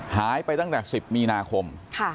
หายไปตั้งแต่๑๐มีนาคม